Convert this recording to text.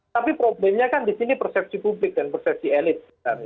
tapi problemnya kan di sini persepsi publik dan persepsi elit